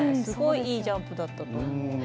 すごいいいジャンプだったと思う。